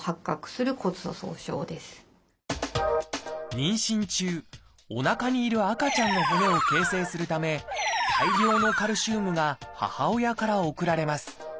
妊娠中おなかにいる赤ちゃんの骨を形成するため大量のカルシウムが母親から送られます。